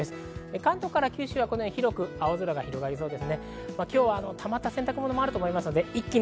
関東から九州は広く青空が広がりそうです。